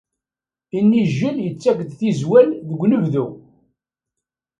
Inijel yettak-d tizwal deg unebdu